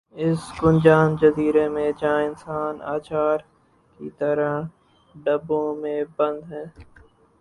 اس گنجان جزیر ے میں جہاں انسان اچار کی طرح ڈبوں میں بند ہے